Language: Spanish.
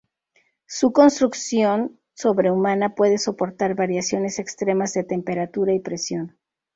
Su constitución sobrehumana puede soportar variaciones extremas de temperatura y presión.